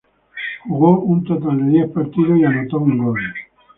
Jugó un total de diez partidos y anotó un gol.